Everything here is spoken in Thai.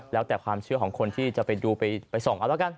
แล้วแต่ความเชื่อของคนที่จะไปดูไปส่องเอาแล้วกัน